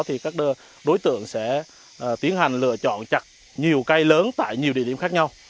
thì các đối tượng sẽ tiến hành lựa chọn chặt nhiều cây lớn tại nhiều địa điểm khác nhau